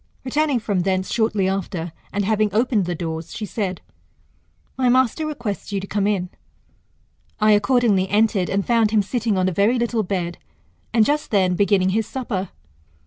Returning from thence shortly after, and having opened the doors, she said, My master .requests you to come in. I accordingly entered, and found him sitting on a very little bed, and just then beginning his supper.